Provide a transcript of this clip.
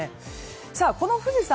この富士山